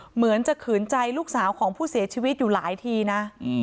เหมือนจะขืนใจลูกสาวของผู้เสียชีวิตอยู่หลายทีนะ